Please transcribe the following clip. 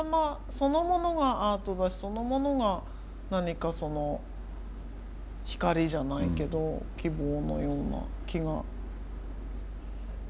そのものがアートだしそのものが何かその光じゃないけど希望のような気が。